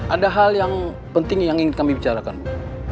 ada hal yang penting yang ingin kami bicarakan